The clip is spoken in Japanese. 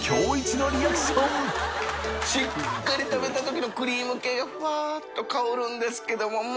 しっかり食べた時のクリーム系が佞錙舛辰香るんですけども發Σ